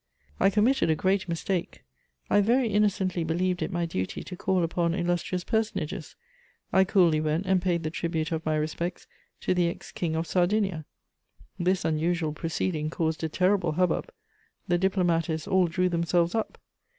] I committed a great mistake: I very innocently believed it my duty to call upon illustrious personages; I coolly went and paid the tribute of my respects to the ex King of Sardinia. This unusual proceeding caused a terrible hubbub; the diplomatists all drew themselves up.